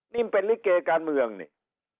นี่มันเป็นลิเกการเมืองนี่